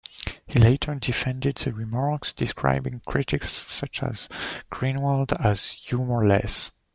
He later defended the remarks, describing critics such as Greenwald as "humorless".